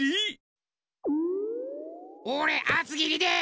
おれあつぎりで！